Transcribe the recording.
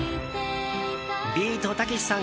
ビートたけしさん